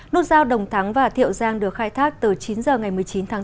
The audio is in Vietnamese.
nút giao đồng thắng và thiệu giang được khai thác từ chín h ngày một mươi chín tháng tám